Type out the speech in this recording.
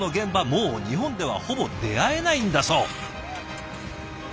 もう日本ではほぼ出会えないんだそう。